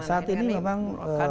saat ini memang